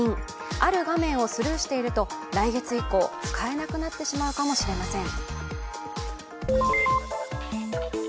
ある画面をスルーしていると来月以降、使えなくなってしまうかもしれません。